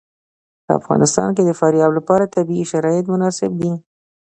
په افغانستان کې د فاریاب لپاره طبیعي شرایط مناسب دي.